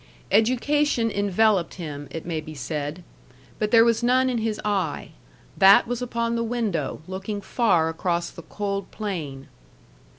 Education enveloped him, it may be said. But there was none in his eye. That was upon the window, looking far across the cold plain.